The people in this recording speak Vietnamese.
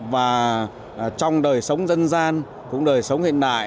và trong đời sống dân gian cũng đời sống hiện đại